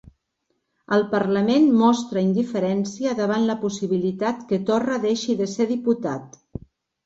El parlament mostra indiferència davant la possibilitat que Torra deixi de ser diputat